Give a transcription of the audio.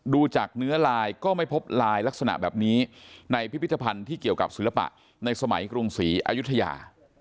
ดูจากเนื้อลายก็ไม่พบลายลักษณะแบบนี้ในพิพิธภัณฑ์ที่เกี่ยวกับศิลปะในสมัยกรุงศรีอายุทยา